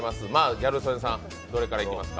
ギャル曽根さん、どれからいきますか。